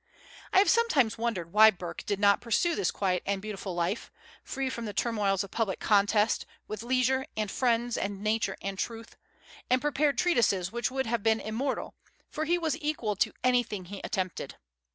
I have sometimes wondered why Burke did not pursue this quiet and beautiful life, free from the turmoils of public contest, with leisure, and friends, and Nature, and truth, and prepare treatises which would have been immortal, for he was equal to anything he attempted.